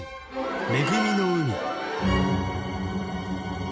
恵みの海。